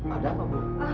ada apa bu